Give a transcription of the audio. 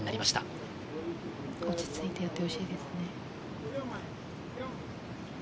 落ち着いてやってほしいですね。